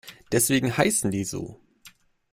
Deswegen heißen die so.